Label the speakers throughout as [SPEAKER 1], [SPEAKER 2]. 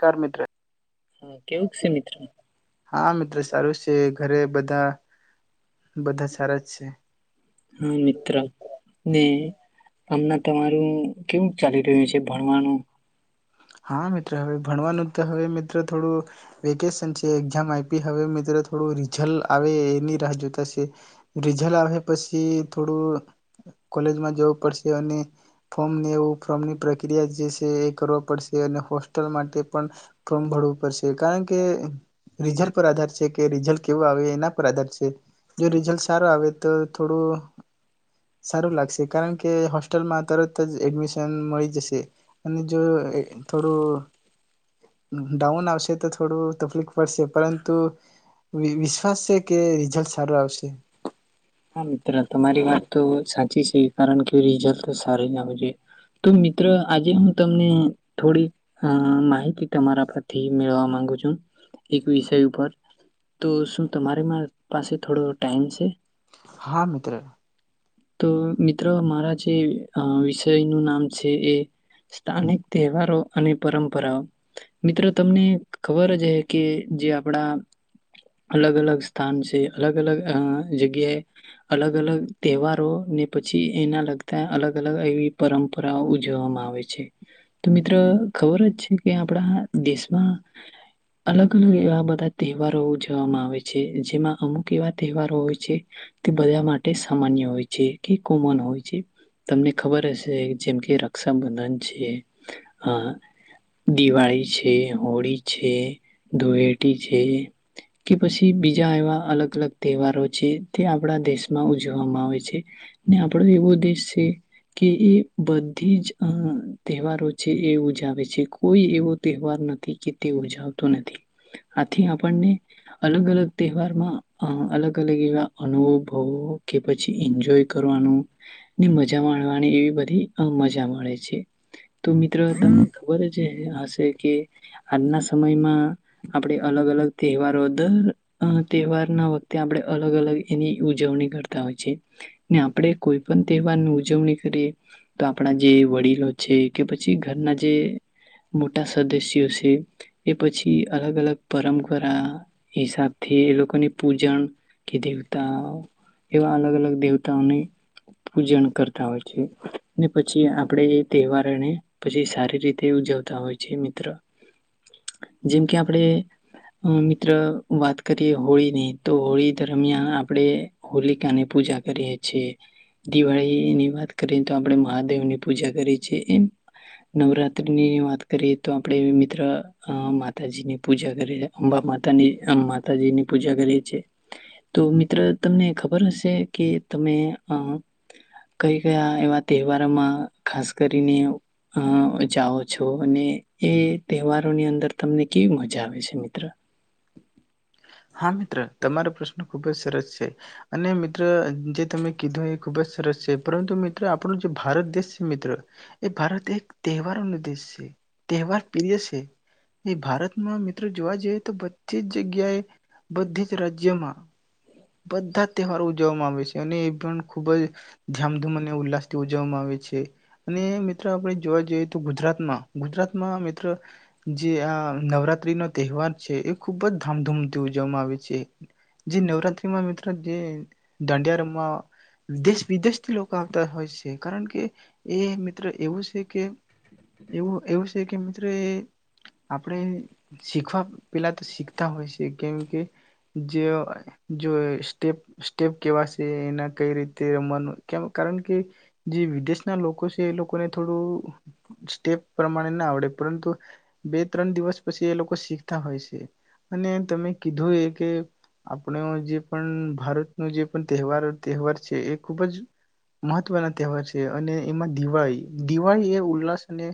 [SPEAKER 1] કર મિત્ર.
[SPEAKER 2] હા કેવુંક છે મિત્ર
[SPEAKER 1] હા મિત્ર સારું છે ઘરે બધ. [unintelligible]
[SPEAKER 2] હ મિત્ર ને હમણા તમારું કેવું ક ચાલી રહ્યું છે ભણવાનું?
[SPEAKER 1] હા મિત્ર હવે ભણવાનું તો હવે મિત્ર થોડું વેકેશન છે એક્ઝામ આઈપી હવે મિત્રો થોડું રિઝલ આવે એની રાહ જોતાશે. રિઝલ આવે પછી કે થોડું કોલેજમાં જવું પડશે અને ફોર્મ ને એવું ફોર્મની પ્રક્રિયા જે સે કરવો પડશે અને હોસ્ટેલ માટે પણ ફમ ભડવું કારણ કે રિઝલ પર આધાર છે કે રિઝલ કેવું આવે. એના પર આધાર છે. જો રિઝલ્ટ સારું આવે તો થોડું સારું લાગશે કારણ કે હોસ્ટેલમાં તરત તજ એડમિશન મળી જશે અને જો એ થોડું ડાઉન આવ શે તો થોડું તકલીફ પડશે પરંતુ [unintelligible] કે રિઝલ્ટ સારું આવશે
[SPEAKER 2] હા મિત્ર તમારી વાત તો સાચ ચી છે, કારણ કે રિઝલ્ટ તો સારું જ આવવું જોઈ. તો મિત્ર આજે હું તમને થોડીક આ માહિતી તમારા પરથી મેળળવા માંગુ છું. એક વિષય ઉપર તો શું મારે મા પાસે થોડો ટાઈમ છે?
[SPEAKER 1] હા મિત્ર
[SPEAKER 2] તો મિત્ર મારા જે અ વિષયનું નામ છે એ સ્ટાનિક તેહવારો અને પરંપરાઓ. મિત્ર તમને ખબર જ અહે કે જે આપડા અલગ અલગ સ્થાન છે, અલગ અલગ અ જગ્યાએ અલગ અલગ તેહવા રો ને પછી એના લગતા અલગ અલગ એ એવી પરંપરા ઉજવવામાં આવે છે. તો મિત્ર ખબર જ છે કે આપડા દેશમાં અલગ-અલગ એવા બધા તહેવારો ઉજવવામાં આવે છે. જેમાં અમુક એવા તહેવારો હોય છે. તે બધા માટે સામાન્ય હોય છે. [unintelligible] કોમન હોય છે. તમને ખબર હશે. જેમ કે, રક્ષાબંધન છે. અ દિવાળી છે. હોળી છે. ધૂળેટી છે. કે પછી બીજા એવા અલગ-અલગ તહેવારો છે. તે આપણા દેશમાં ઉજવવામાં આવે છે. ને આપડો એવો દેશ છે કે એ બ થીજ તહેવારો છે. એ ઉજાવે છે. કોઈ એવો તહેવાર નથી કે તે ઉજવતો નથી. આથી આપણને અલગ- અલગ તહેવારમાં અલગ-અલગ એવા અનુભવો કે પછી એન્જોય કરવાનું ને મજા માણવાની એવી બધી મજા મળે છે. તો મિત્રો તને ખબર જ હશે કે આજના સમયમાં આપડે અલગ-અલગ તહેવારો દન આ તહેવાર ના વખતે આપડે. અલગ-અલગ એની ઉજવણી કરતા હોય છે. ને આપડે કોઈ પણ તહેવારની ઉજવણી કરીએ તો આપણા જે વડીલો છે. કે પ પછી ઘરના જે મોટા સદસ્યો છે. એ પછી અલગ- અલગ પરંપરા હિસાબ થી એ લોકોની પૂજન કે દેવતા એવા અલગ-અલગ દેવતા તમણે પૂજન કરતા હોય છે ને પછી આપડે એ તહેવાર હણી પછી સારી રીતે ઉજવતા હોય છે. જે મિત્ર. જેમ કે આપણે મિત્ર વાત કરીએ હોળીની તો હોળી દરમિયાન આપણેે હોલિકાની પૂજા કરી એ છે દિવાળી ની વાત કરીએ તો આપડે મહાદેવ ની પૂજા કરે છે એ નવરાત્રી ની વાત કરીએ તો આપણેે એ મિત્ર માતાજીની પૂજા કરીએએ અંબા માતાની માતાજીની પૂજા કરીએ છીએ તો મિત્ર તમને ખબર હશે તે કે તમે અ કઈ કયા એવા તહેવારોમાં ખાસ કરીને અ જાઓ છો અને એ તહેવારોની અંદર તમને કેવી મજા આવે છે મિત્ર
[SPEAKER 1] હા મિત્ર તમારો પ્રશ્ન ખુબ જ સરસ છે અને મિત્ર જે તમે કીધું એ ખુબ જ સરસ છે પરંતુ મિત્ર આપણો જે ભારત દેશ છે મિત્ર એ ભારત એક તહેવારોનો દેશ છે તહેવાર પ્રિય છે એ ભારતમાં મી મિત્ર જોવા જઈએ તો બધી જ જગ્યાએ બધી જ રાજ્યમાં બધા તહેવારો જોવામાં આવે છે અને એ પણ ખૂબ જ ધામધૂમ અને ઉલ્લાસથી થી ઉજવવામાં આવે છે. અને મિત્રો આપણે જોવા જએ જે ગુજરાતમાં ગુજરાતમાં મિત્ર જે આ નવરાત રાત્રી નો તહેવાર છે એ ખુબ જ ધામધૂમથી ઉજવવામાં આવે છે. જે નવરાત તમા મિત્ર જે દાડિયા રમવા દેશ વિદેશથી લોકો હોય છે કારણ કે એ મિત્ર એવું છે. કેમ? એવું એવું છે કે મિત્રો એ આપણેે શીખવા પેલા તો શીખ તા હોય છે કેમ કે જે જો સ્ટેપ સ્ટેપ કેવા છે એના કઈ રીતે રમવાનું કેમ કારણ કે જે વિદેશના લોકો છે એ લોકોને થોડું સ્ટેપ પ્રમાણે ના આવડે પરંતુ બે ત્રણ દિવસ પછી એ લોકો શીખતા હોય છે અને તમે કીધું એ કે આપણે જે પણ ભારતનો જે પણ તહેવાર-તહેવાર છે એ ખૂબ જ મહત્વના તહેવાર છે અને એમાં દિવાળી દિવાળી એ ઉલ્લાસ અને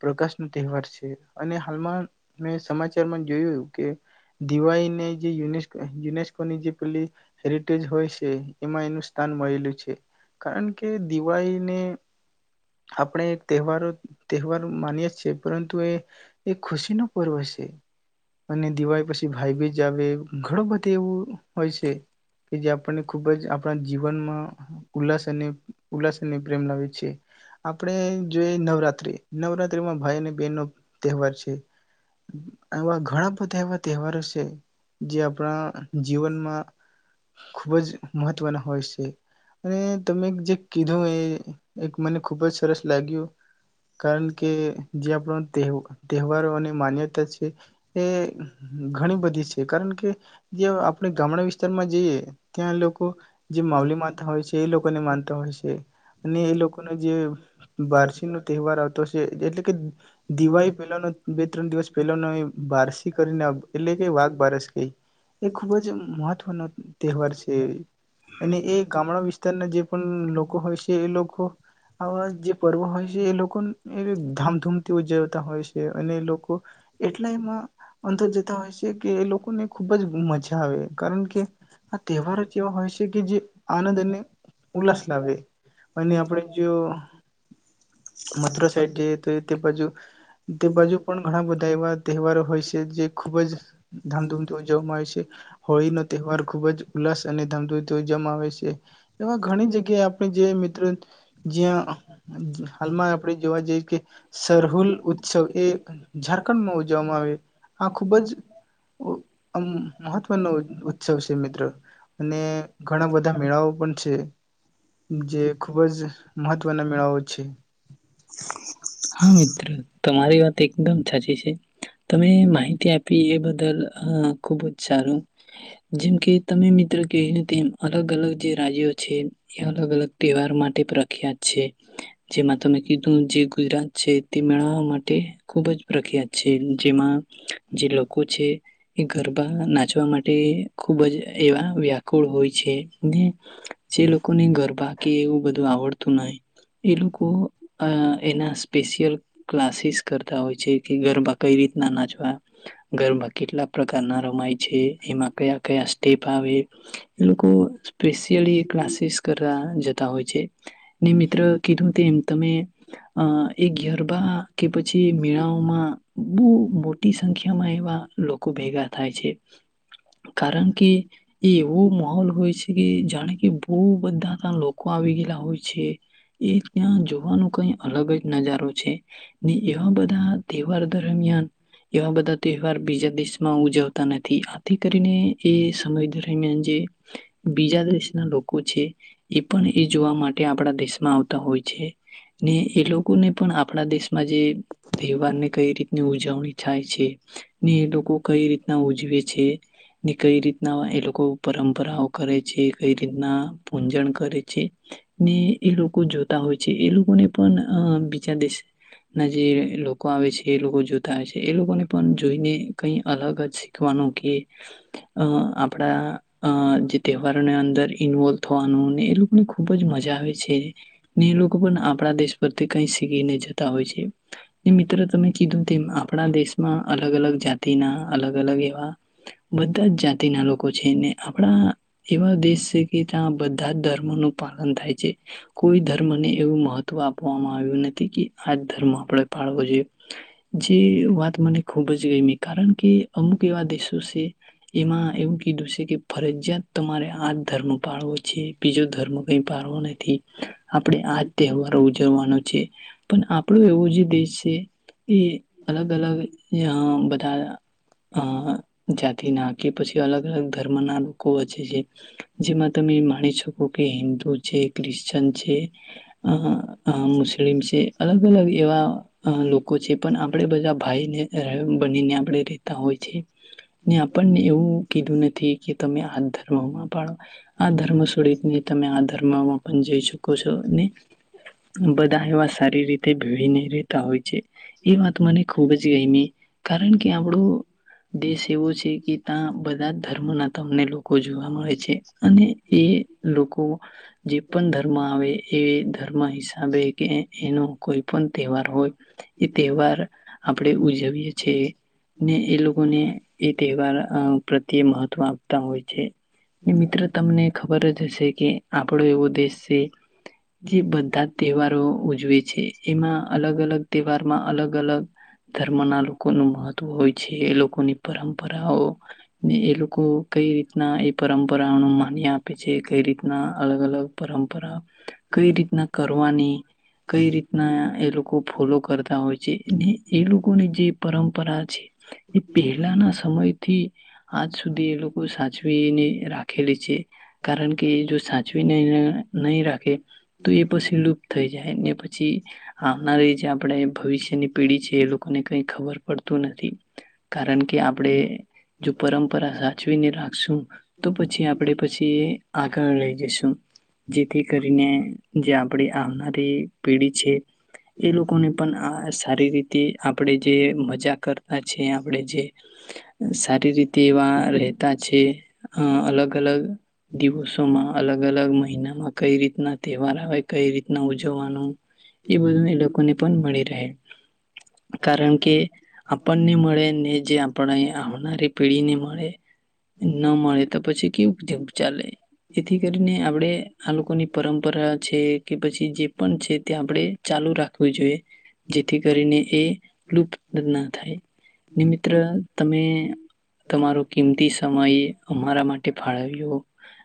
[SPEAKER 1] પ્રકાશનો તહેવાર છે અને હાલમાં મે સમાચારમાં જોયું કે દિવાળીને જે યુને જેને લોકોની જે પેલી હેરિટેજ હેરિટેજ હોય છે. એમાં એનું સ્થાન મળેલું છે કારણ કે દિવાળીને આપણે એક તહેવારો તહેવાર માનીએ છીએ. પરંતુ એ એક ખુશીનો પર્વ છે. અને દિવાળી પછી ભાઈ બીજ આવે ઘણું બધ એવું હોય છે કે જે આપણને ખુબ જ આપણા જીવનમાં ઉલ્લાસ અને ઉલ્લાસ અને પ્રેમ લાવે છે. આપણે જોઈ નવરાત્રી નવરાત્રીમાં ભાઈ અને બહેન નો તહેવાર છે. એવા ઘણા બધા એ એવા તહેવાાર હશે જે આપણા જીવનમાં ખૂબ જ મહત્ત્વના હોય છે અને તમે જે કીધું એ એક મને ખૂબ જ સરસ લાગ્યું. કારણ કે જે આપણો તહેવ-તહેવારો અને માન્યતા છે એ ઘણી બધી છે કારણ કે જ્યાં આપણે ગામડા વિસ્તારમાં જઈએ ત્યાં લોકો જે માવલી માતા હોય છે એ લોકોને માનતા હોય છે. અને એ લોકોનો જે બારસી નો તહેવાર આવતો છે એટલે કે દિવાળી પહેલાનો બે ત્રણ દિવસ પહેલાનો બારસી કરીને એટલે કે વાઘ બારસ કઈ એ ખૂબ જ મહત્વનો તહેવાર છે અને એ ગામડા વિસ્તારના જે પણ લોકો કે એ લોકો આવા જે પર્વ હોય છે એ લોકો એ ધામધૂમથી ઉજવતા હોય છે અને એ લોકો એટલા એમાં અંદર જતા હોય છે કે એ લોકોને ખુબ જ મજા આવે કારણ કે આ તહેવાર જ એવા હોય છે કે જે આનંદ અને ઉલ્લાસ લાવે અને આપણે જો મથુરા સાઈડ જઈ તો તે બાજુ તે બાજુ પણ ઘણા બધા એવા તહેવારો હોય છે જે ખુબ જ ધામધૂમથી છે હોળીનો તહેવાર ખુબ જ ઉલ્લાસ અને ધામધૂ તો જમાવે છે. એવા ઘણી જગ્યાએ આપણે જે મિત્ર જ્યાં હાલમાં આપણે જોવા જઈ કે સરહુલ ઉત્સવ એ ઝારખંડમાં ઉજવવામાં આવે, આ ખુબ જ આમ મહત્વનો ઉત્સવ છે મિત્ર અને ઘણા બધા મેળાઓ પણ છે. જે ખુબ જ મહત્વના મેળાઓ છે.
[SPEAKER 2] હા મિત્ર, તમારી વાત એકદમ છાચી છે, તમે માહિ તી આપી એ બદલ હાં ખૂબ જ સારું જેમ કે તમે મિત્ર કે તેમ અલગ અલગ જે રાજ્યો છે, એ અલગ અલગ તહેવાર માટે પ્રખ્યાત છે. જેમાં કીધું જે ગુજરાત છે તે મેળાઓ માટે ખૂબ જ પ્રખ્યાત છે, જેમાં જે લોકો છે એ ગરબા નાચવા માટે ખૂબ જ એવા વ્યાકુળ હોય છે ને જે લોકોને ગરબા કે એવું બધું આવડ [unintelligible] એ લોકો અહ એનાસ સ્પેશિયલ ક્લાસીસ કરતા હોય છે. કે ગરબા કઈ રીતના નાચવા, ગરબા કેટલા પ્રકારના રમાય છે, એમાં કયા-કયા સ્ટેપ આવે. એ લોકો સ્પેશિયલી એ ક્લાસીસ કરરા જતા હોય છે. ને મિત્ર કીધું તે તમે અહ એ ગરબા કે પછી મેળાઓમાં બૂ મોટી સંખ્યામાં એવા લોકો ભેગા થાય છે. કારણ કે એ એવું માહોલ હોય છે કે જાણે કે બો બધા તા લોકો આવી ગયેલા હોય છે. એ ત્યાં જો વા નો કઈ અલગ જ નજારો છે. ને એવા બધા તહેવાર દરમિયાન, એવા બધા તહેવાર બીજા દેશમાં ઉજવતા નથી. આથી કરીને એ સમય દરમિયાન જે બીજા દેશના લોકો છે, એ પણ એ જોવા માટે આપણા દેશ માં આવતા હોય છે. ને એ લોકોને પણ આપણા દેશ માં જે તહેવાર ને કઈ રીતની ઉજવણી થાય છે. ને એ લોકો કઈ રીતના ઉજવે છે, ને કઈ રીતના એ લોકો પરંપ પરાવ કરે છે. કઈ રીતના પૂજન કરે છે, ને એ લોકો જોતા હોય એ-એ લોકોને પણ અહ બીજા દેશ ના જે લો કો આવે છે એ લોકો જોતા આવે છે. એ લોકોને પણ જોઈને કઈ અલગ જ શીખવાનું કે અહ આપણા અહ જે તહેવારોને અંદર ઇન્વોલ્વ થવાનું ને એ લોકોને ખુબજ મજા આવે છે. ને એ લોકો પણ આપણા દેશ પ્રતી કહી સીખી ને જતા હોય છે. તો મિત્ર તમે કીધું તેમ આપણા દેશમાં અલગ-અલગ જાતિના અલગ-અલગ એવા બધાજ જાતિના લોકો છે ને આપણા એવા દેશ છે કે ત્યાં બધા જ ધર્મોનું પાલન થાય છે. કોઈ ધર એવું મહત્વ આપવામાં આવ્યું નથી કે આજ ધર્મ આપણે પાળવો જોઈ. જે વાત મને ખૂબ જ ગમી. કારણ કે અમુક એવા દેશો છે, એમાં એવું કીધું છે કે ફરજિયાત તમારે આજ ધર્મ પાળવો છે બીજો ધર્મ કઈ પાળવો નથી. આપડણે આજ તહેવારો ઉજવવાનો છે. પણ આપણો એવો જે દેશ છે એ અલગ-અલગ ના બધા અહ જાતિના કે પછી અલગ-અલગ ધર્મ ના લોકો વચ્ચે છે. જેમાં તમે માની શકો કે હિન્દુ છે, ક્રિશ્ચિયન છે. અહ આ મુસ્લિમ છે. અલગ-અલગ એવા લોકો છે. પણ આપણેે બધા ભાઈને રહેન બનીને આપણે રેતા હોય છે. ને આપણને એવું કીધું ન થી કે તમે આ ધર્મમાં પણ આ ધર્મ છોડીને તમે આ ધર્મમાં પણ જઈ શ કો છો ને બધા એવા સારી રીતે ભીડી ને રેહેતા હોય છે. એ વાત મને ખૂબ જ ગયમી, કારણ કે આપણો દેશ એવો છે. કે તાં બ ધા ધર્મના તમને લોકો જોવા મળે છે. અને એ લોકો જે પણ ધર્મ્ માં આવે એ ધર્મ હિસાબે કે એ એનો કોઈ પન તહેવાર હોય એ તહેવાર આપણેે ઉજવીએ છે ને એ લોકોને એ તહેવાર અ પ્રત્યે મહત્વ આપતા હોય છે, મિત્ર તમને ખબર જ હશે કે આપણો એવો દેશ દે જે બધાં જ તહેવારો ઉજવે છે, એમાં અલગ અલગ તહેવારમાં અલગ અલગ ધર્મના લોકોનું મહત્વ હોય છે, એ લોકોની પરંપરાઓને એ લોકો કઈ રીતના એ પરંપરાઓનો માન્ય આપે છે, કઈ રીતના અલગ અલગ પરં પરા કઈ રીતના કર વાની કઈ રીતના એ લોકો ફોલો કરતા હોય છે, એ લોકોની જે પરંપરા છે, એ પહેલાના સમયથી આજ સુધી એ લોકો સાચવીને રાખેલી છે, કારણ કે એ જો સાચવીને નઈ રાખે તો એ પછી લુપ્ત થઈ જાય ને પછી આવનારી જે આપડે ભવિષ્યની પેઢી છે એ લોકોને કઈ ખબર પડતું નથી, કારણ કે આપડે જો પરંપરા સાચવીને રાખશું તો પછી આપડે પછી આગળ લઈ જશું. જેથી કરીને જે આપણી આવનારી પેઢી છે. એ લોકોને પણ આ અ સારી રીતે આપણે જે મજા કરતા છે આપણે જે સારી રીતે એવા રહેતા છે. અલગ-અલગ દિવસોમાં અલગ- અલગ મહિના માં કઈ રીતના તહેવાર આવે કઈ રીતના ઉજવવાનું એ બધું એ લોકોને પણ મળી રહે. કારણ કે આપણને મળે ને જે આપણે આવનારી પેઢી ને મળે ન મળે તો પછી કેવું જેવુ ચાલે. એથી કરીને આપડે આ લોકોની પરંપરા છે કે પછી જે પણ છે તે આપણેે ચાલુ રાખવી જોઈએ. જેથી કરીને એ લુપ્ત ના થાય નિ મિત્ર તમે તમારો કિંમતી સમય અમારા માટે ફાળવ્યો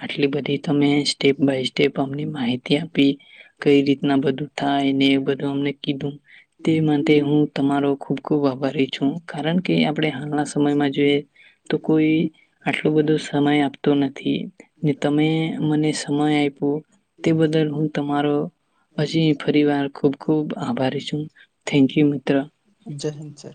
[SPEAKER 2] આટલી બધી તમે સ્ટેપ બાય સ્ટેપ અમને માહિતી આપી કઈ રીતના બધું થાય ને એ બધું અમને કીધું તે માટે હું તમારો ખૂબ ખૂબ આભારી છું, કારણ કે આપણે હાલના સમયમાં જોઈએ તો કોઈ આટલો બધો સમય આપતો નથી ને તમે મને સમય આયપો. તે બદલ હું તમારો હજી ફરીવાર ખૂબ ખૂબ આભારી છું. થેન્ક યુ મિત્ર.
[SPEAKER 1] જય હિન્દ સર